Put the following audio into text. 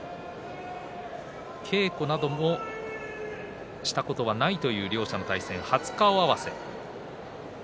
稽古などもしたことがないという両者の対戦、初顔合わせ。